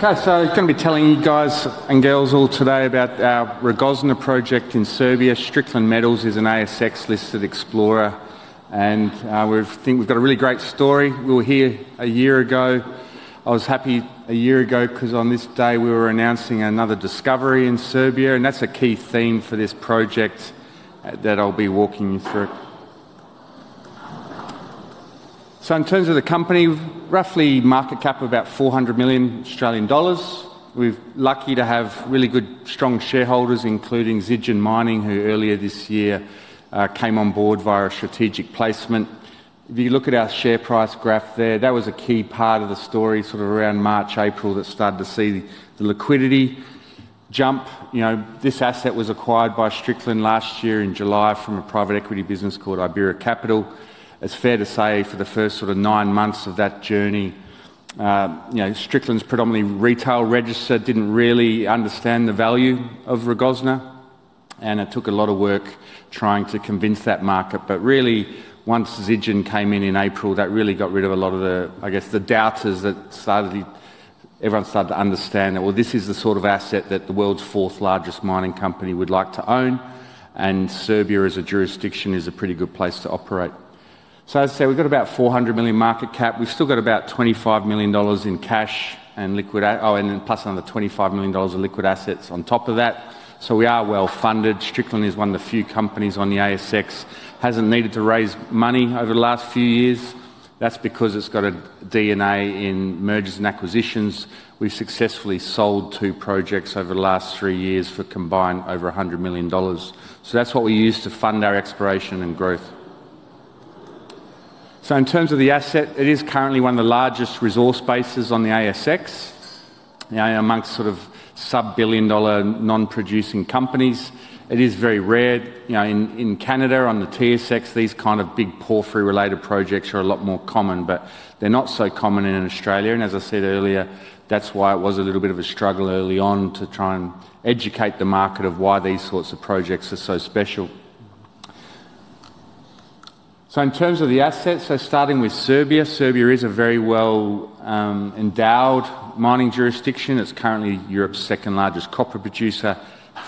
Okay, so I'm going to be telling you guys, and girls all today about our Rogozina project in Serbia. Strickland Metals is an ASX-listed explorer, and we think we've got a really great story. We were here a year ago. I was happy a year ago because on this day we were announcing another discovery in Serbia, and that's a key theme for this project that I'll be walking you through. In terms of the company, roughly market cap about 400 million Australian dollars. We're lucky to have really good, strong shareholders, including Zijin Mining, who earlier this year came on board via a strategic placement. If you look at our share price graph there, that was a key part of the story, sort of around March, April, that started to see the liquidity jump. This asset was acquired by Strickland last year in July from a private equity business called Ibera Capital. It's fair to say for the first sort of nine months of that journey, Strickland's predominantly retail registered, didn't really understand the value of Rogozina, and it took a lot of work trying to convince that market. Really, once Zijin came in in April, that really got rid of a lot of the, I guess, the doubters that started to—everyone started to understand that, well, this is the sort of asset that the world's fourth largest mining company would like to own, and Serbia as a jurisdiction is a pretty good place to operate. I'd say we've got about 400 million market cap. We've still got about $25 million in cash, and liquid—oh, and plus another $25 million in liquid assets on top of that. We are well funded. Strickland is one of the few companies on the ASX that has not needed to raise money over the last few years. That is because it has got a DNA in mergers, and acquisitions. We have successfully sold two projects over the last three years for combined over $100 million. That is what we use to fund our exploration, and growth. In terms of the asset, it is currently one of the largest resource bases on the ASX amongst sort of sub-billion dollar non-producing companies. It is very rare in Canada on the TSX, these kind of big porphyry-related projects are a lot more common, but they are not so common in Australia. As I said earlier, that is why it was a little bit of a struggle early on to try, and educate the market of why these sorts of projects are so special. In terms of the assets, starting with Serbia, Serbia is a very well-endowed mining jurisdiction. It is currently Europe's second largest copper producer,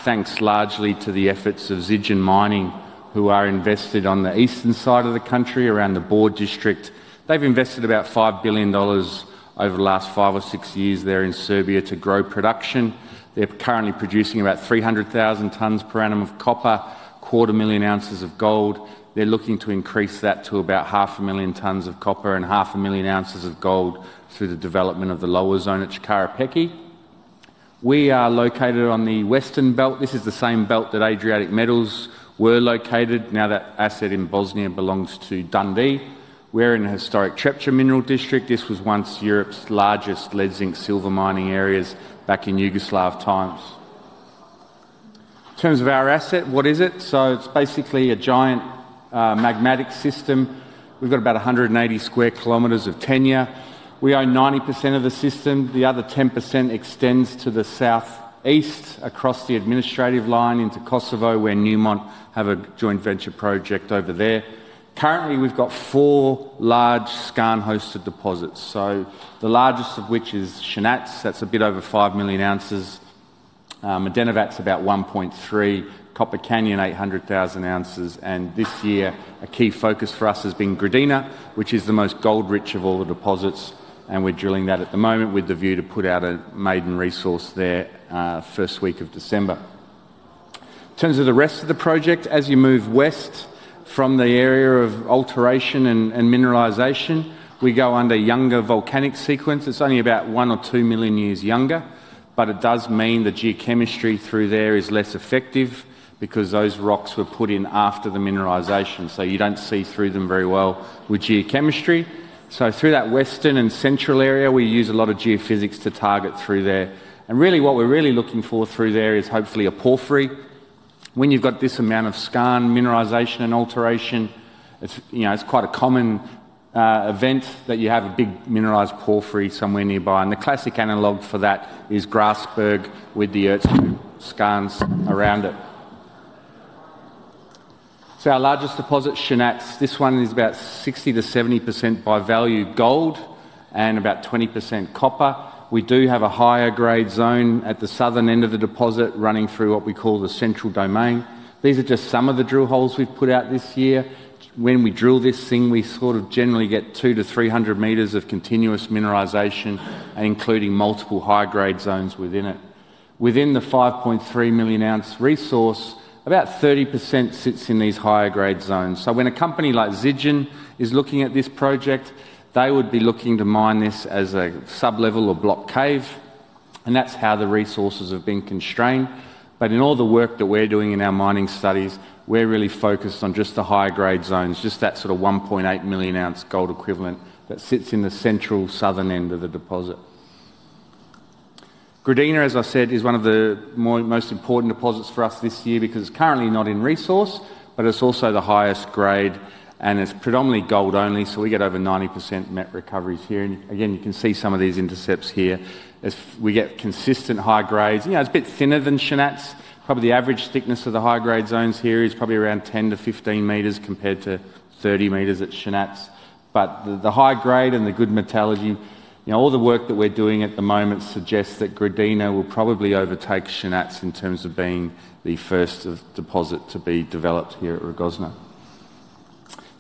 thanks largely to the efforts of Zijin Mining, who are invested on the eastern side of the country around the Boer District. They have invested about $5 billion over the last five or six years there in Serbia to grow production. They are currently producing about 300,000 tons per annum of copper, a quarter million ounces of gold. They are looking to increase that to about 500,000 tons of copper, and 500,000 ounces of gold through the development of the lower zone at Čukaru Peki. We are located on the western belt. This is the same belt that Adriatic Metals were located. Now that asset in Bosnia belongs to Dundee. We are in a historic Trepča Mineral District. This was once Europe's largest lead-zinc silver mining areas back in Yugoslav times. In terms of our asset, what is it? It is basically a giant magmatic system. We have about 180 sq km of tenure. We own 90% of the system. The other 10% extends to the southeast across the administrative line into Kosovo, where Newmont have a joint venture project over there. Currently, we have four large skarn-hosted deposits, the largest of which is Šanac. That is a bit over 5 million ounces. Mladenovac is about 1.3 million. Copper Canyon, 800,000 ounces. This year, a key focus for us has been Gradina, which is the most gold-rich of all the deposits, and we are drilling that at the moment with the view to put out a maiden resource there first week of December. In terms of the rest of the project, as you move west from the area of alteration, and mineralization, we go under younger volcanic sequence. It's only about one or two million years younger, but it does mean the geochemistry through there is less effective because those rocks were put in after the mineralization, so you don't see through them very well with geochemistry. Through that western, and central area, we use a lot of geophysics to target through there. What we're really looking for through there is hopefully a porphyry. When you've got this amount of skarn mineralization, and alteration, it's quite a common event that you have a big mineralized porphyry somewhere nearby, and the classic analogue for that is Grasberg with the Ertsberg group skarns around it. Our largest deposit, Šanac, this one is about 60-70% by value gold, and about 20% copper. We do have a higher grade zone at the southern end of the deposit running through what we call the central domain. These are just some of the drill holes we've put out this year. When we drill this thing, we sort of generally get 200-300 meters of continuous mineralization, including multiple high-grade zones within it. Within the 5.3 million ounce resource, about 30% sits in these higher grade zones. When a company like Zijin is looking at this project, they would be looking to mine this as a sublevel or block cave, and that's how the resources have been constrained. In all the work that we're doing in our mining studies, we're really focused on just the higher grade zones, just that sort of 1.8 million ounce gold equivalent that sits in the central southern end of the deposit. Gradina, as I said, is one of the most important deposits for us this year because it's currently not in resource, but it's also the highest grade, and it's predominantly gold only, so we get over 90% met recoveries here. You can see some of these intercepts here. We get consistent high grades. It's a bit thinner than Šanac. Probably the average thickness of the high-grade zones here is probably around 10-15 meters compared to 30 meters at Šanac. The high grade and the good metallurgy, all the work that we're doing at the moment suggests that Gradina will probably overtake Šanac in terms of being the first deposit to be developed here at Rogozina.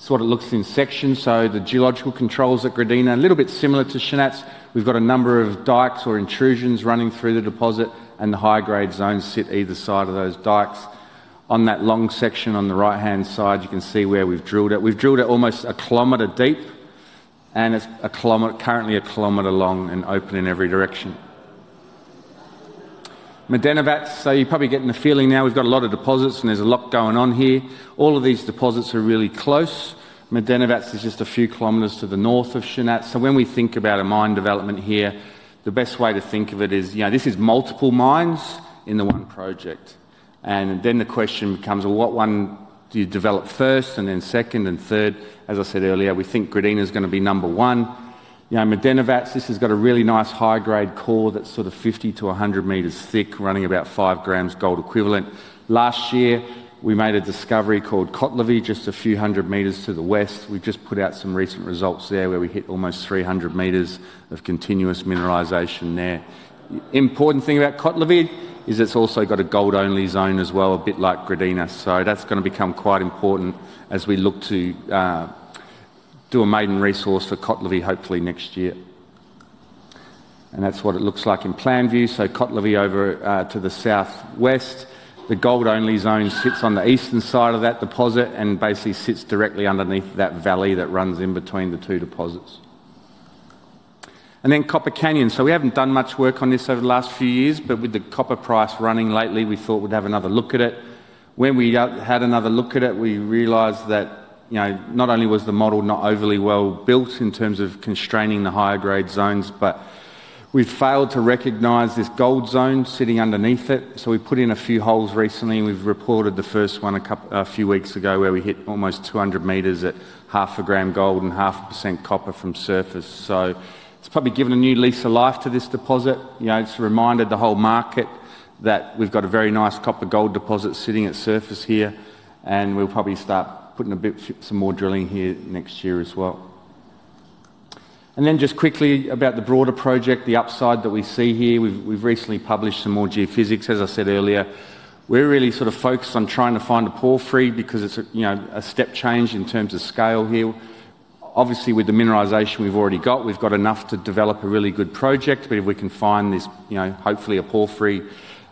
What it looks in section, so the geological controls at Gradina, a little bit similar to Šanac. We've got a number of dikes or intrusions running through the deposit, and the high-grade zones sit either side of those dikes. On that long section on the right-hand side, you can see where we've drilled it. We've drilled it almost a kilometer deep, and it's currently a kilometer long, and open in every direction. Mladenovac, so you're probably getting a feeling now. We've got a lot of deposits, and there's a lot going on here. All of these deposits are really close. Mladenovac is just a few kilometers to the north of Šanac. So when we think about a mine development here, the best way to think of it is, this is multiple mines in the one project. And then the question becomes, well, what one do you develop first, and then second, and third? As I said earlier, we think Gradina's going to be number one. Mladenovac, this has got a really nice high-grade core that's sort of 50-100 meters thick, running about 5 grams gold equivalent. Last year, we made a discovery called Kotlovi just a few hundred meters to the west. We've just put out some recent results there where we hit almost 300 meters of continuous mineralization there. The important thing about Kotlovi is it's also got a gold-only zone as well, a bit like Gradina. That's going to become quite important as we look to do a maiden resource for Kotlovi hopefully next year. That's what it looks like in plan view, so Kotlovi over to the southwest. The gold-only zone sits on the eastern side of that deposit, and basically sits directly underneath that valley that runs in between the two deposits. Copper Canyon, we haven't done much work on this over the last few years, but with the copper price running lately, we thought we'd have another look at it. When we had another look at it, we realized that not only was the model not overly well built in terms of constraining the higher grade zones, but we've failed to recognize this gold zone sitting underneath it. We put in a few holes recently. We've reported the first one a few weeks ago where we hit almost 200 meters at half a gram gold, and 0.5% copper from surface. It's probably given a new lease of life to this deposit, it's reminded the whole market that we've got a very nice copper-gold deposit sitting at surface here, and we'll probably start putting a bit some more drilling here next year as well. Just quickly about the broader project, the upside that we see here, we've recently published some more geophysics. As I said earlier, we're really sort of focused on trying to find a porphyry because it's a step change in terms of scale here. Obviously, with the mineralization we've already got, we've got enough to develop a really good project, but if we can find this, hopefully a porphyry,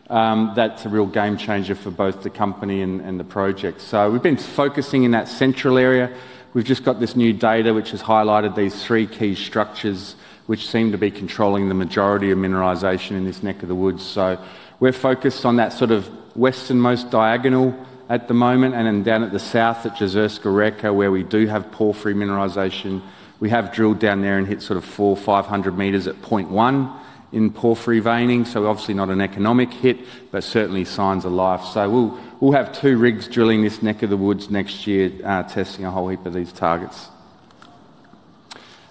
that's a real game changer for both the company, and the project. We've been focusing in that central area. We've just got this new data which has highlighted these three key structures which seem to be controlling the majority of mineralization in this neck of the woods. We're focused on that sort of westernmost diagonal at the moment, and then down at the south at Jezerska Reka where we do have porphyry mineralization. We have drilled down there and hit sort of 400-500 meters at 0.1% in porphyry veining. Obviously not an economic hit, but certainly signs of life. We'll have two rigs drilling this neck of the woods next year testing a whole heap of these targets.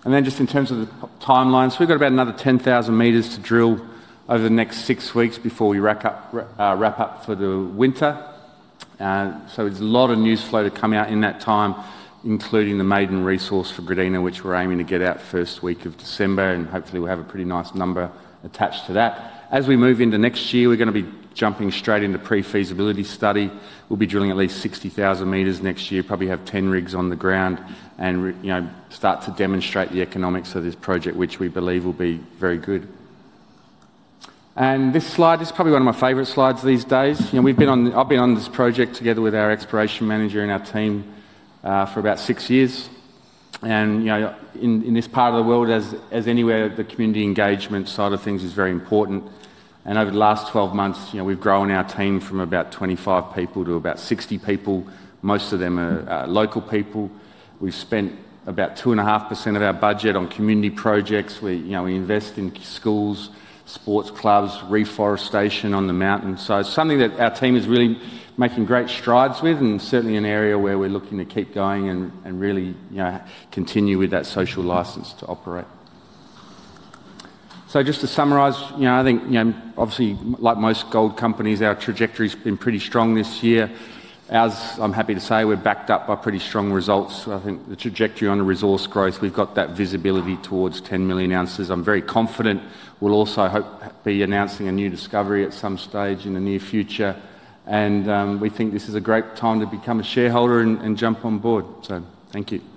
In terms of the timelines, we've got about another 10,000 meters to drill over the next six weeks before we wrap up for the winter. There's a lot of news flow to come out in that time, including the maiden resource for Gradina, which we're aiming to get out first week of December, and hopefully we'll have a pretty nice number attached to that. As we move into next year, we're going to be jumping straight into pre-feasibility study. We'll be drilling at least 60,000 meters next year, probably have 10 rigs on the ground, and start to demonstrate the economics of this project, which we believe will be very good. This slide is probably one of my favorite slides these days. We've been on, I've been on this project together with our exploration manager, and our team for about six years. And in this part of the world, as anywhere, the community engagement side of things is very important. Over the last 12 months, we've grown our team from about 25 people to about 60 people, most of them are local people. We've spent about 2.5% of our budget on community projects. We invest in schools, sports clubs, reforestation on the mountain. It is something that our team is really making great strides within certainly an area where we're looking to keep going, and really continue with that social license to operate. Just to summarize, I think obviously like most gold companies, our trajectory's been pretty strong this year. Ours, I'm happy to say, we're backed up by pretty strong results. I think the trajectory on resource growth, we've got that visibility towards 10 million ounces. I'm very confident we'll also hope be announcing a new discovery at some stage in the near future. We think this is a great time to become a shareholder, and jump on board. Thank you.